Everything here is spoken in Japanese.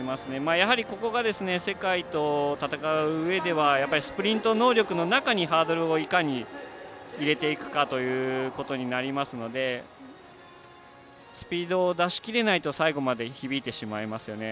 やはりここが世界と戦ううえではスプリント能力の中にハードルをいかに入れていくかということになりますのでスピードを出しきれないと最後まで響いてしまいますよね。